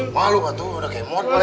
malu pak tuh udah kemot